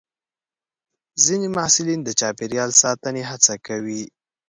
ځینې محصلین د چاپېریال ساتنې هڅه کوي.